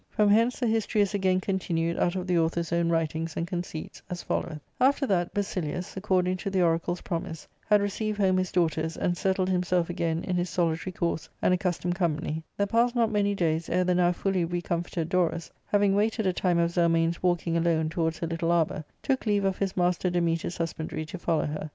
From hence the history is again continued out of the author's own writings and conceits ^ as followeth :— After that Basilius, according to the oracle's promise, had received home his daughters, and settled himself again in his solitary course and accustomed company, there passed not many days ere the now fully recomforted Dorus, having waited a time of Zelmane's walking alone towards her little arbour, took lieave of his master Dametas' husbandry to follow her.